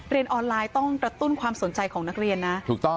เรียนออนไลน์ต้องกระตุ้นความสนใจของนักเรียนนะถูกต้อง